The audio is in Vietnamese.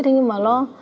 thế nhưng mà nó